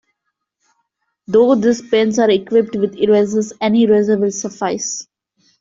Though these pens are equipped with erasers, any eraser will suffice.